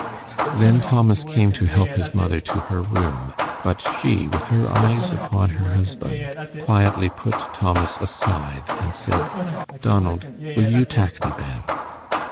Then Thomas came to help his mother to her room, but she, with her eyes upon her husband, quietly put Thomas aside and said, "Donald, will you tak me ben?"